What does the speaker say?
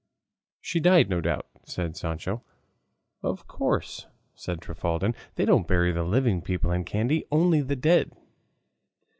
"She died, no doubt," said Sancho. "Of course," said Trifaldin; "they don't bury living people in Kandy, only the dead."